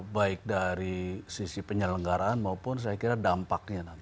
baik dari sisi penyelenggaraan maupun saya kira dampaknya nanti